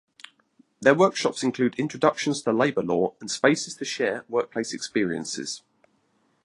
Their workshops include introductions to labor law and spaces to share workplace experiences.